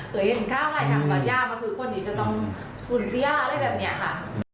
เกิดเห็นข้าวร้ายข้างบนย่ามก็คือคนที่จะต้องฝุ่นเสียอะไรแบบเนี่ยค่ะ